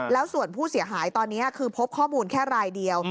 แล้วส่วนผู้เสียหายตอนนี้คือพบข้อมูลแค่รายเดียว